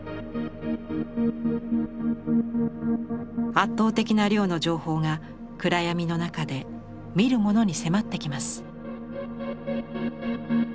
圧倒的な量の情報が暗闇の中で見る者に迫ってきます。